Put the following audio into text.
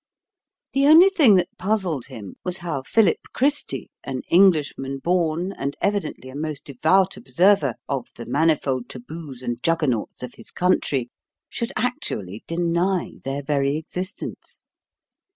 The only thing that puzzled him was how Philip Christy, an Englishman born, and evidently a most devout observer of the manifold taboos and juggernauts of his country, should actually deny their very existence.